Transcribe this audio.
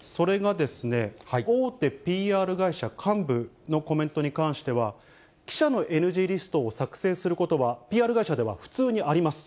それがですね、大手ＰＲ会社幹部のコメントに関しては、記者のＮＧリストを作成することは、ＰＲ会社では普通にあります。